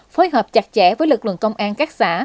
phối hợp chặt chẽ với lực lượng công an các xã